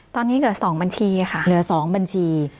ตอนนี้เหลือ๒บัญชีค่ะเหลือ๒บัญชี